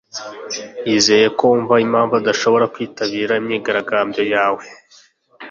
yizeye ko wumva impamvu adashobora kwitabira imyigaragambyo yawe.